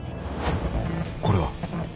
これは？